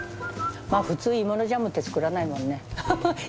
まあ普通芋のジャムって作らないもんねハハッ。